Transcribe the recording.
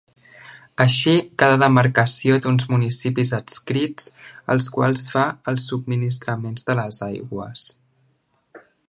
Així, cada demarcació té uns municipis adscrits als quals fa el subministrament de les aigües.